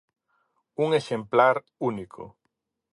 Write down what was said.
Un exemplar único.